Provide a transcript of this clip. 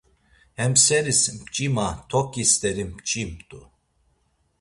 Hem seris mç̌ima toǩi steri mç̌imt̆u.